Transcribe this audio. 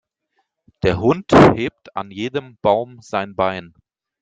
Der Hund hebt an jedem Baum sein Bein.